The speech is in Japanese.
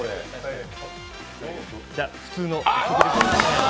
じゃ、普通の食リポ。